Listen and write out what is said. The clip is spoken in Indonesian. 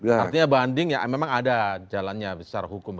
artinya banding ya memang ada jalannya secara hukum